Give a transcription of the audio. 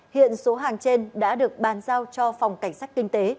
hiện số hàng trên đã được bàn giao cho phòng cảnh sát kinh tế